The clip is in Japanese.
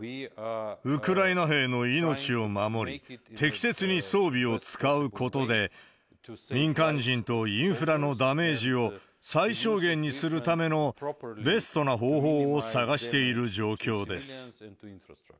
ウクライナ兵の命を守り、適切に装備を使うことで、民間人とインフラのダメージを最小限にするためのベストな方法を探している状況です。